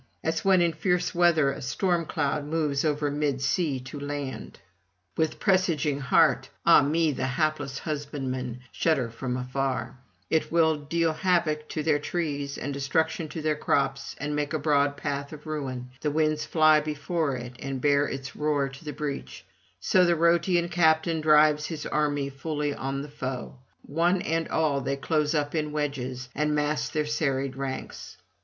As when in fierce weather a storm cloud moves over mid sea to land, with presaging heart, ah me, the hapless husbandmen shudder from afar; it will deal havoc to their trees and destruction to their crops, and make a broad path of ruin; the winds fly before it, and bear its roar to the beach; so the Rhoetean captain drives his army full on the foe; one and all they close up in wedges, and mass their serried ranks.